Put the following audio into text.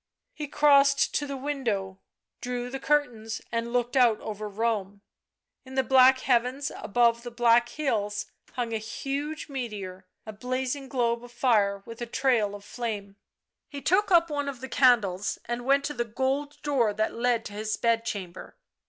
He crossed to the window, drew the curtains and looked out over Rome. In the black heavens, above the black hills, hung a huge meteor, a blazing globe of fire with a trail of flame. ... He took up one of the candles and went to the gold door that led to his bed chamber.